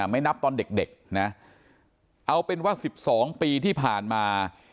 ไม่นับตอนเด็กนะเอาเป็นว่า๑๒ปีที่ผ่านมา